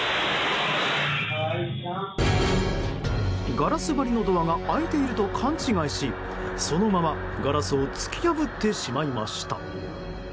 ガラス張りのドアが開いていると勘違いしそのままガラスを突き破ってしまいました。